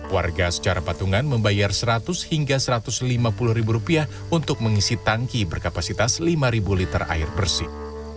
warga secara patungan membayar seratus hingga satu ratus lima puluh ribu rupiah untuk mengisi tangki berkapasitas lima liter air bersih